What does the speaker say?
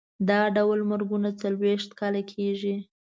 دا ډول مرګونه څلوېښت کاله کېږي.